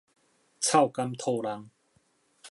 臭柑 𪐞 籠